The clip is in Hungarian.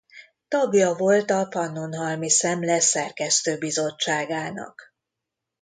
Tagja volt a Pannonhalmi Szemle szerkesztőbizottságának.